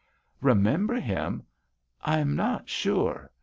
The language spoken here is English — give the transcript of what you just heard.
" Remember him ? I am not sure.